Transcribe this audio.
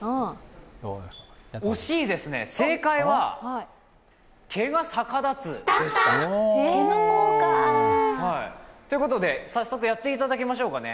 惜しいですね、正解は毛が逆立つ。ということで、早速やっていただきましょうかね。